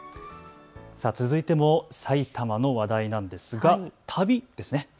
さあ続いても、埼玉の話題なんですが旅ですね。